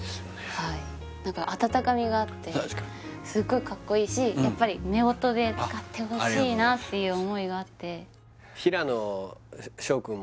はい何か温かみがあってすごいかっこいいしやっぱり夫婦で使ってほしいなっていう思いがあってあれ